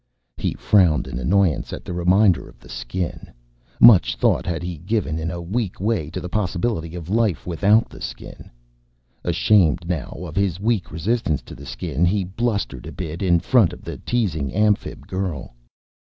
He frowned in annoyance at the reminder of the Skin. Much thought had he given, in a weak way, to the possibility of life without the Skin. Ashamed now of his weak resistance to the Skin, he blustered a bit in front of the teasing Amphib girl.